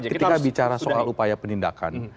ketika bicara soal upaya penindakan